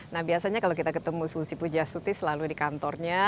nah biasanya kalau kita ketemu susi pujastuti selalu di kantornya